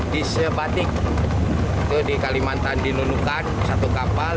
di sebatik di kalimantan di nunukan satu kapal